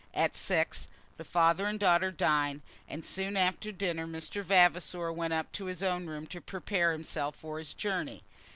At six, the father and daughter dined, and soon after dinner Mr. Vavasor went up to his own room to prepare himself for his journey.